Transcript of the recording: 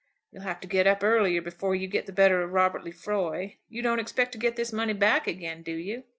You'll have to get up earlier before you get the better of Robert Lefroy. You don't expect to get this money back again, do you?"